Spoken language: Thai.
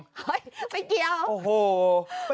เฮ้ยไม่เกี่ยว